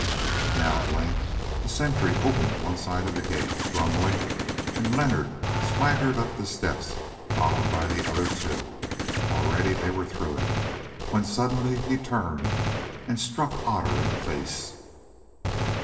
Now at length the sentry opened one side of the gate, grumbling, and Leonard swaggered up the steps followed by the other two. Already they were through it, when suddenly he turned and struck Otter in the face.